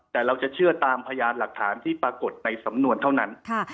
แต่เราจะเชื่อตามพยานหลักฐานที่ปรากฏในสำนวนเท่านั้น